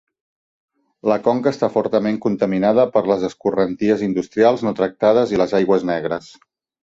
La conca està fortament contaminada per les escorrenties industrials no tractades i les aigües negres.